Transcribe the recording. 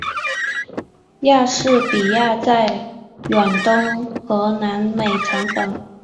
莎士比亚在远东和南美成长。